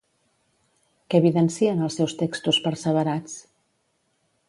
Què evidencien els seus textos perseverats?